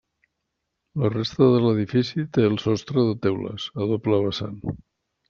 La resta de l'edifici té el sostre de teules, a doble vessant.